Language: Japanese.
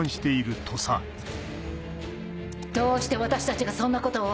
どうして私たちがそんなことを。